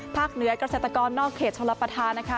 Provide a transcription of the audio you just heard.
ภาคเหนือกระเศรษฐกรนอกเขตธรรมภาษานะคะ